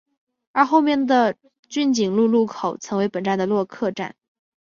而后面的骏景路路口曾为本站的落客站。